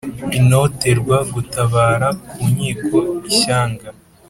intoterwa gutabara ku nkiko ishyanga